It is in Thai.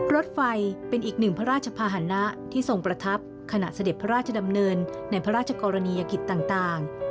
รถไฟเป็นอีกหนึ่งพระราชภาษณะที่ทรงประทับขณะเสด็จพระราชดำเนินในพระราชกรณียกิจต่าง